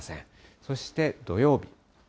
そして土曜日。